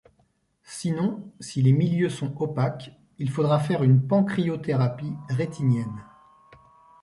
Sinon, si les milieux sont opaques, il faudra faire une pan cryothérapie rétinienne.